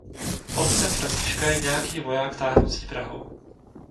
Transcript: Otcem Františka je nějaký voják táhnoucí Prahou.